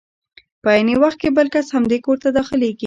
په عین وخت کې بل کس همدې کور ته داخلېږي.